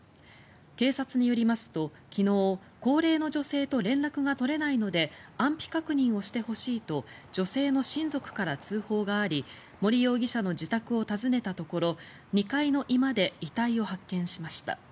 警察によりますと、昨日高齢の女性と連絡が取れないので安否確認をしてほしいと女性の親族から通報があり森容疑者の自宅を訪ねたところ２階の居間で遺体を発見しました。